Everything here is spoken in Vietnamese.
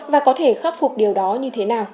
và có thể khắc phục điều đó như thế nào